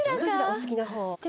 お好きな方を。